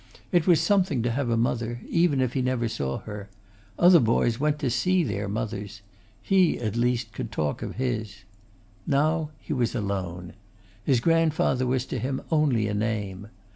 It was something to have a mother, even if he never saw her. Other boys went to see their mothers! he, at least, could talk of his. Now he was alone. His grandfather was to him only a name.